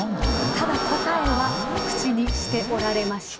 ただ答えは口にしておられました。